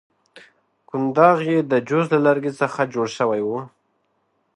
کنداغ یې د جوز له لرګي څخه جوړ شوی وو.